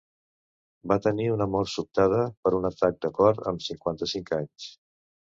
Va tenir una mort sobtada per un atac de cor amb cinquanta-cinc anys.